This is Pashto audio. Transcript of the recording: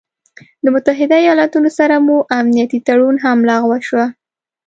د متحده ايالاتو سره مو امنيتي تړون هم لغوه شو